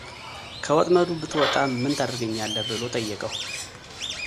ከወጥመዱ ብትወጣ ምን ታደርግልኛለህ ብሎ ጠየቀው፡፡